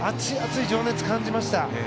熱い情熱を感じました。